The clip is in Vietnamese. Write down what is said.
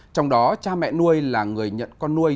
trong đó cha mẹ nuôi là người nhận con nuôi